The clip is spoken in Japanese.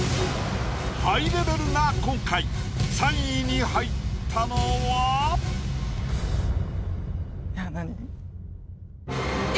ハイレベルな今回３位に入ったのは⁉いや何？